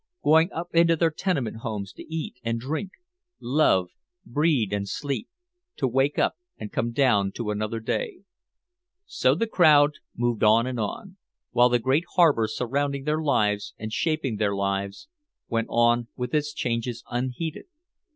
Going up into their tenement homes to eat and drink, love, breed and sleep, to wake up and come down to another day. So the crowd moved on and on, while the great harbor surrounding their lives and shaping their lives, went on with its changes unheeded.